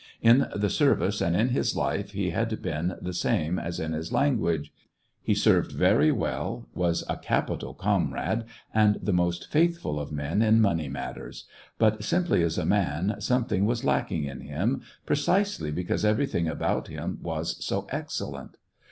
In the service and in his life, he had been the same as in his language ; he served very well, was a capital comrade, and the most faithful of men in money matters ; but simply as a man something was lacking in him, precisely because everything about him was so excellent.